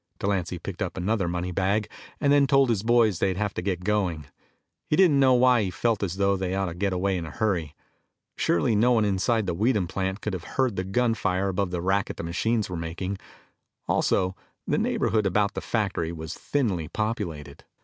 Delancy picked up another money bag, and then told his boys they'd have to get going. He didn't know why he felt as though they ought to get away in a hurry. Surely no one inside the Weedham plant could have heard the gun fire above the racket the machines were making. Also, the neighborhood about the factory was thinly populated.